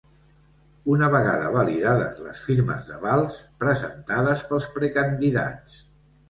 Una vegada validades les firmes d'aval presentades pels precandidats.